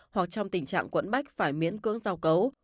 hoặc trong tình trạng quẫn bách phải miễn cưỡng giao cấu